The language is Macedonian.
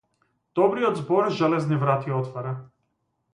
Добриот збор железни врати отвара.